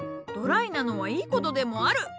ドライなのはいいことでもある。